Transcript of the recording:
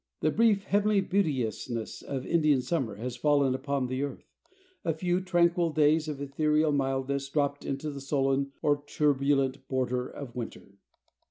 The brief heavenly beauteousness of Indian summer has fallen upon the earth, a few tranquil days of ethereal mildness dropped into the sullen or turbulent border of winter.